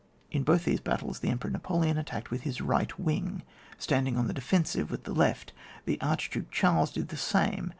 In both these battles the Emperor Napoleon attacked with his right wing, standing on the defensive with the left. The Archduke Charles did the same.